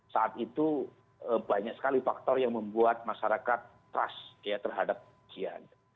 saat itu banyak sekali faktor yang membuat masyarakat trust terhadap pasien